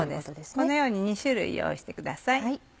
このように２種類用意してください。